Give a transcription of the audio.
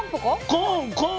コーンコーン。